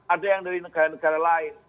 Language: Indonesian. ada yang dari negara negara lain